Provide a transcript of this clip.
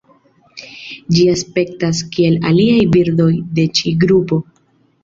Ĝi aspektas kiel aliaj birdoj de ĉi grupo.